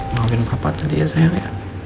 maafin papa tadi ya sayang ya